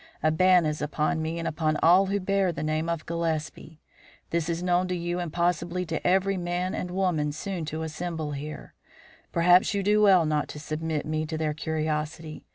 A ban is upon me and upon all who bear the name of Gillespie. This is known to you and possibly to every man and woman soon to assemble here. Perhaps you do well not to submit me to their curiosity.